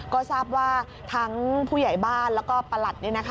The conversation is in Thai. ก็ทราบว่าทั้งผู้ใหญ่บ้านแล้วก็ประหลัด